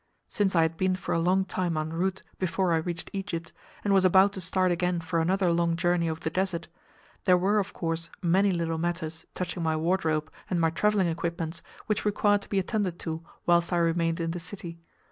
Since I had been for a long time en route before I reached Egypt, and was about to start again for another long journey over the Desert, there were of course many little matters touching my wardrobe and my travelling equipments which required to be attended to whilst I remained in the city.